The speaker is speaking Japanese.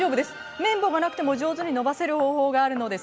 麺棒がなくても上手にのばせる方法があるんです。